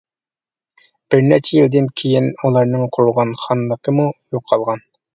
بىر نەچچە يىلدىن كېيىن ئۇلارنىڭ قۇرغان خانلىقىمۇ يوقالغان.